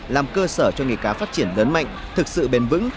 làm cơ sở cho nghề cá phát triển lớn mạnh thực sự bền vững